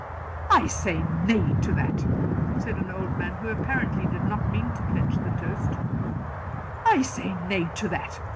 'I say nay to that,' said an old man, who apparently did not mean to pledge the toast; 'I say nay to that.